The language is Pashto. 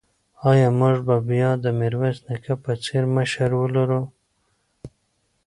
ایا موږ به بیا د میرویس نیکه په څېر مشر ولرو؟